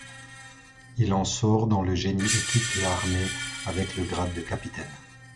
Il en sort dans le génie et quitte l'armée avec le grade de capitaine.